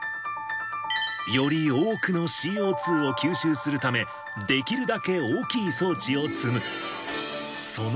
より多くのＣＯ２を吸収するため、できるだけ大きい装置を積む。